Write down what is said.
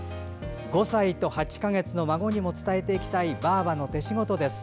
５歳と８か月の孫にも伝えていきたいばあばの手仕事です。